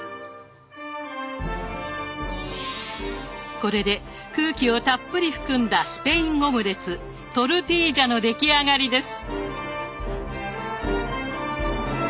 これで空気をたっぷり含んだスペインオムレツトルティージャの出来上がりです。